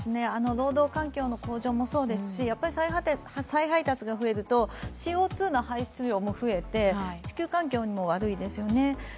労働環境の向上もそうですし、再配達が増えるとＣＯ２の排出も増えて地球環境にも悪いですよね。